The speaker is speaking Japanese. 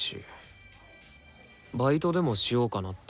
バイトでもしようかなって。